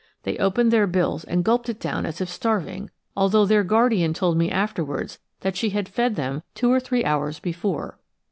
They opened their bills and gulped it down as if starving, although their guardian told me afterwards that she had fed them two or three hours before.